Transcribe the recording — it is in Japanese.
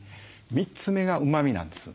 ３つ目がうまみなんです。